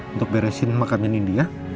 untuk beresin makamnya nindi ya